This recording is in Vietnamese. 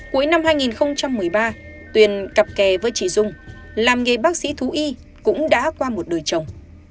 cuối năm hai nghìn một mươi ba tuyền cặp kè với chị dung làm nghề bác sĩ thú y cũng đã qua một đời chồng